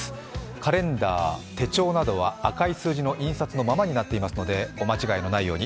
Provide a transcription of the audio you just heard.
カレンダー、手帳などは赤い数字の印刷のままになっていますのでお間違えのないように。